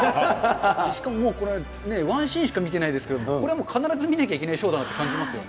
しかも、ワンシーンしか見てないですけど、これはもう必ず見なきゃいけないショーだなと感じます